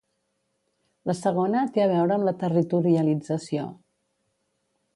La segona té a veure amb la territorialització.